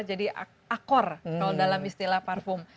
jadi akor kalau dalam istilah parfum